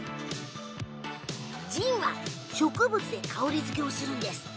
ジンは植物で香りづけをします。